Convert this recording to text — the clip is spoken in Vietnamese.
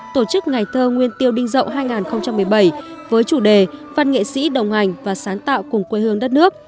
tổ chức ngày thơ nguyên tiêu đinh dậu hai nghìn một mươi bảy với chủ đề văn nghệ sĩ đồng hành và sáng tạo cùng quê hương đất nước